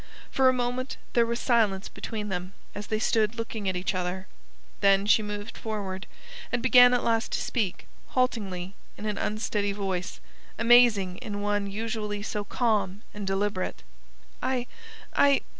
For a moment there was silence between them, as they stood looking each at the other. Then she moved forward, and began at last to speak, haltingly, in an unsteady voice, amazing in one usually so calm and deliberate. "I... I...